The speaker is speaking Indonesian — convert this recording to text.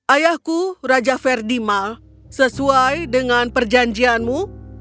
ayahku raja ferdima sesuai dengan perjanjianmu